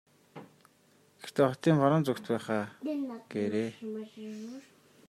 Гэхдээ хотын баруун зүгт байх аа гээрэй.